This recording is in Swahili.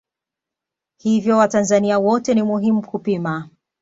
Hivyo watanzania wote ni muhimu kupima